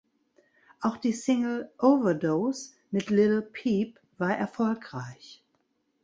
Auch die Single "Overdose" mit Lil Peep war erfolgreich.